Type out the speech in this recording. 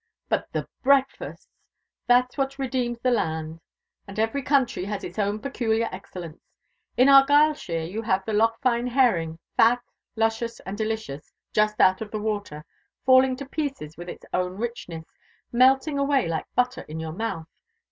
But the breakfasts! That's what redeems the land; and every country has its own peculiar excellence. In Argyleshire you have the Lochfine herring, fat, luscious, and delicious, just out of the water, falling to pieces with its own richness melting away like butter in your mouth.